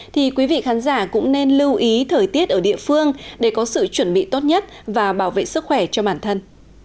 thì quý vị khán giả cũng nên lưu ý thời tiết ở địa phương để có sự chuẩn bị tốt nhất và bảo vệ sức khỏe cho bản thân